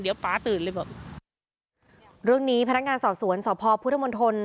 เดี๋ยวป๊าตื่นเลยบอกเรื่องนี้พนักงานสอบสวนสพพุทธมนตร